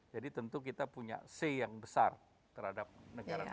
jadi tentu kita punya say yang besar terhadap negara negara